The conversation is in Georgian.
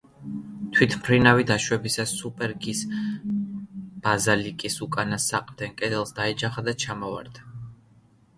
თვითმფრინავი დაშვებისას სუპერგის ბაზილიკის უკანა საყრდენ კედელს დაეჯახა და ჩამოვარდა.